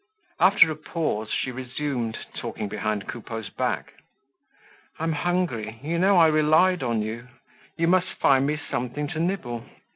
After a pause, she resumed, talking behind Coupeau's back: "I'm hungry; you know, I relied on you. You must find me something to nibble."